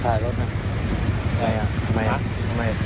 ถ่ายรถนะทำไมครับทำไม